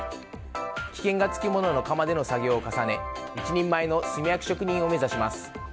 危険がつきものの窯での作業を重ね一人前の炭焼き職人を目指します。